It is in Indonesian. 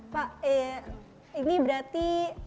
pak ini berarti